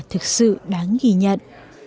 thực sự đáng ghi nhận